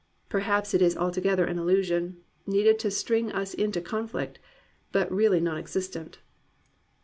Perhaps it is altogether an illusion, needed to sting us into conflict, but really non existent.